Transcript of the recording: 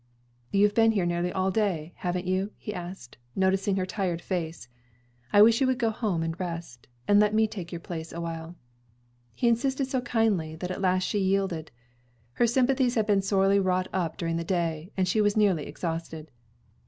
"You've been here nearly all day, haven't you?" he asked, noticing her tired face. "I wish you would go home and rest, and let me take your place awhile." He insisted so kindly that at last she yielded. Her sympathies had been sorely wrought upon during the day, and she was nearly exhausted.